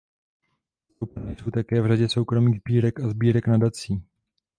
Zastoupena jsou také v řadě soukromých sbírek a sbírek nadací.